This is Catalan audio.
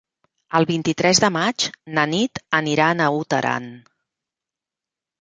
El vint-i-tres de maig na Nit anirà a Naut Aran.